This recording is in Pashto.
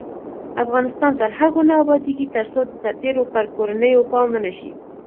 افغانستان تر هغو نه ابادیږي، ترڅو د سرتیرو پر کورنیو پام ونشي.